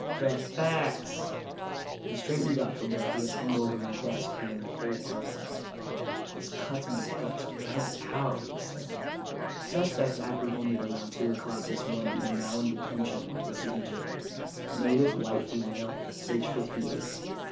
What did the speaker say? "The facts!" He straightened up from where he had hung over my desk during the whole argument. "This cuts my guts right out," he said. "Suspect apprehended around two o'clock this morning and now in detention at the City Jail. Native white female, age fifty eight.